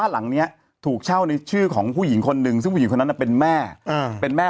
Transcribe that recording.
จะเป็นคำนี้คือของผู้หญิงคนนึงสรุปอีกคนนั้นเป็นแม่เป็นแม่